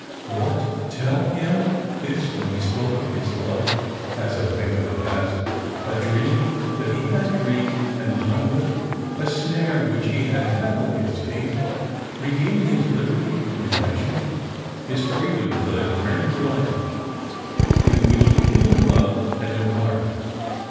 What, tell him this when he spoke of his love as a thing of the past, a dream that he had dreamed and done with, a snare which he had happily escaped, regaining his liberty of election, his freedom for that grander life im which 212 Strangers and Filgrims. human love had no part